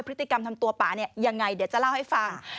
พฤติกรรมทำตัวป่าเนี่ยยังไงเดี๋ยวจะเล่าให้ฟัง